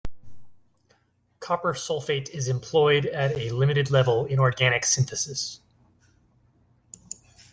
Copper sulfate is employed at a limited level in organic synthesis.